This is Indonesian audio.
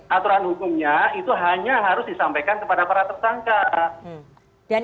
aturan hukumnya itu hanya harus disampaikan kepada para tersangka